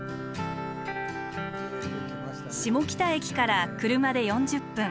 下北駅から車で４０分。